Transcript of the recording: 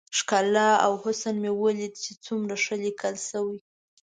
ښکلا او حسن مې وليد چې څومره ښه ليکل شوي.